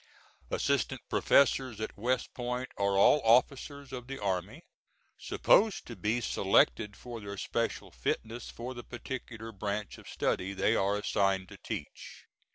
Assistant professors at West Point are all officers of the army, supposed to be selected for their special fitness for the particular branch of study they are assigned to teach.